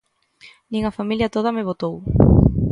Nin a familia toda me votou.